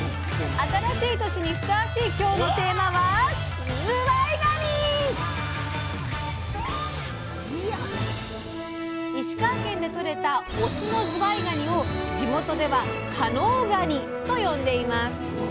新しい年にふさわしい今日のテーマは石川県でとれたオスのずわいがにを地元では「加能がに」と呼んでいます。